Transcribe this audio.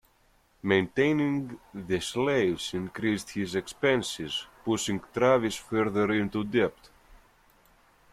Maintaining the slaves increased his expenses, pushing Travis further into debt.